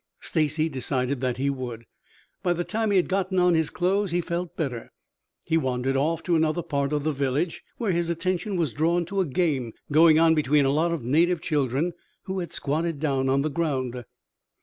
Stacy decided that he would. By the time he had gotten on his clothes he felt better. He wandered off to another part of the village, where his attention was drawn to a game going on between a lot of native children who had squatted down on the ground.